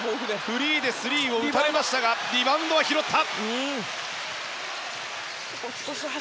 フリーでスリーを打たれましたがリバウンド拾った。